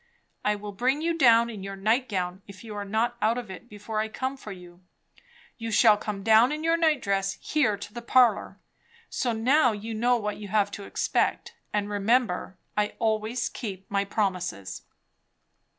I will bring you down in your nightgown, if you are not out of it before I come for you; you shall come down in your night dress, here, to the parlour. So now you know what you have to expect; and remember, I always keep my promises."